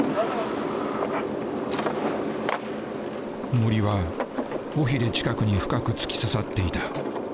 もりは尾ヒレ近くに深く突き刺さっていた。